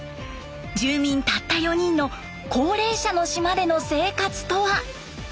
住民たった４人の高齢者の島での生活とは？